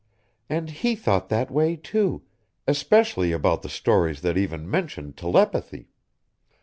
And he thought that way, too, especially about the stories that even mentioned telepathy.